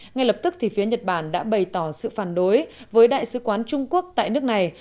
ngay lập tức phía nhật bản đã bày tỏ sự phản đối với đại sứ quán trung quốc tại nước này